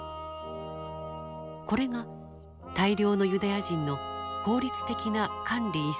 これが大量のユダヤ人の効率的な管理移送を可能にした。